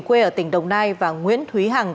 quê ở tỉnh đồng nai và nguyễn thúy hằng